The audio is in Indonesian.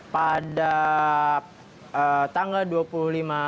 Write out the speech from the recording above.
pada tanggal dua puluh lima maret